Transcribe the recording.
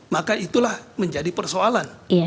maka itulah menjadi persoalan